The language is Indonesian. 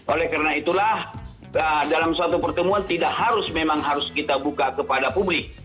oleh karena itulah dalam suatu pertemuan tidak harus memang harus kita buka kepada publik